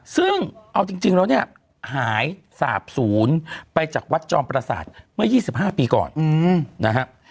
ซึ่งเอาจริงแล้วเนี่ยหายสาบศูนย์ไปจากวัดจอมประสาทเมื่อ๒๕ปีก่อนนะครับ